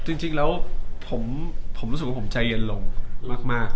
จริงแล้วผมรู้สึกว่าผมใจเย็นลงมาก